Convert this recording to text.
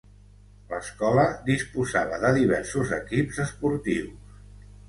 L'escola disposava de diversos equips esportius.